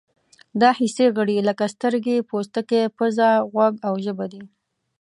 دا حسي غړي لکه سترګې، پوستکی، پزه، غوږ او ژبه دي.